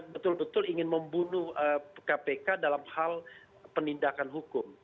betul betul ingin membunuh kpk dalam hal penindakan hukum